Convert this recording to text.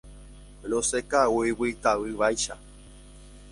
Rosẽ ka'aguy'ígui itavývaicha.